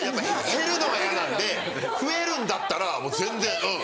減るのが嫌なんで増えるんだったら全然うん。